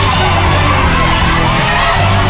สุดท้ายแล้วครับ